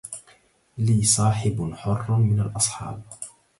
لي صاحب حر من الأصحاب